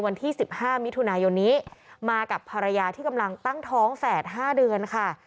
วันที่๑๕มิถุนายนนี้มากับภรรยาที่กำลังตั้งท้องแฝด๕เดือนค่ะ